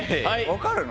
分かるの？